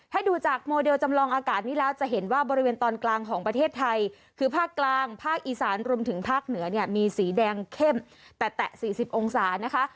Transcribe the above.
ถ้าดูจากโมเดลจำลองอากาศนี้แล้วจะเห็นว่าบริเวณตอนกลางของประเทศไทยคือภาคกลางภาคอีสานรวมถึงภาคเหนือเนี่ยมีสีแดงเข้มแตะ๔๐องศานะคะ